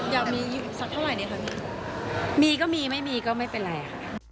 อยากมีสักเท่าไหร่ดีค่ะมีก็มีไม่มีก็ไม่เป็นไรอ่ะ